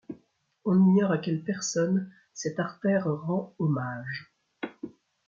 On ignore à quelle personne cette artère rend hommage.